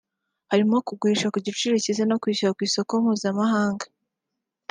harimo kugurisha ku giciro cyiza no kuwushyira ku isoko mpuzamahanga